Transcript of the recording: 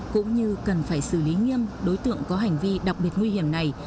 cũng như cần phải xử lý nghiêm đối tượng có hành vi đặc biệt nguy hiểm này